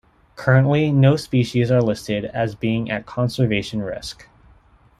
Currently, no species are listed as being at conservation risk.